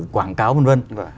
quảng cáo v v